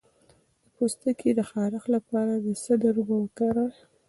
د پوستکي خارښ لپاره د سدر اوبه وکاروئ